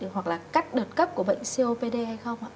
hoặc là cắt đợt cấp của bệnh copd hay không ạ